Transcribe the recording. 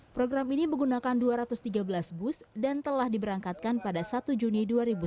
program ini menggunakan dua ratus tiga belas bus dan telah diberangkatkan pada satu juni dua ribu sembilan belas